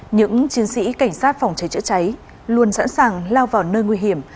những chiến sĩ cảnh sát phòng cháy chữa cháy luôn sẵn sàng lao vào nơi nguy hiểm